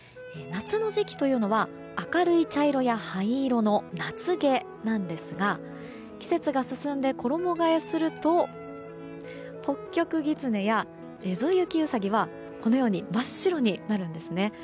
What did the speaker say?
夏の時期というのは明るい茶色や灰色の夏毛なんですが季節が進んで衣替えするとホッキョクギツネやエゾユキウサギは真っ白になるんですね。